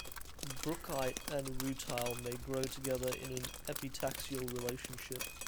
Brookite and rutile may grow together in an epitaxial relationship.